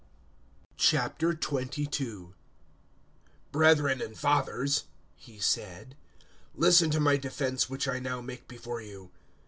022:001 "Brethren and fathers," he said, "listen to my defence which I now make before you."